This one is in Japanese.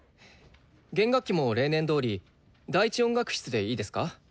弦楽器も例年どおり第一音楽室でいいですか？